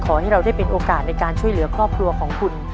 ขอให้เราได้เป็นโอกาสในการช่วยเหลือครอบครัวของคุณ